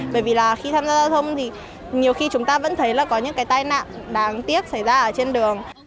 bởi vì khi tham gia giao thông nhiều khi chúng ta vẫn thấy có những tai nạn đáng tiếc xảy ra trên đường